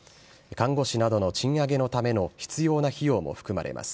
看護師などの賃上げのための必要な費用も含まれます。